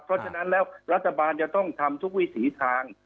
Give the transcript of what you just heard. เพราะฉะนั้นแล้วรัฐบาลจะต้องทำทุกวิถีทาง